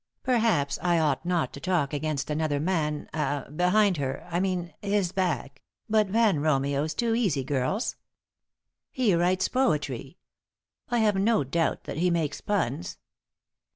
"Perhaps I ought not to talk against another man ah behind her I mean his back, but Van Romeo's too easy, girls. He writes poetry. I have no doubt that he makes puns.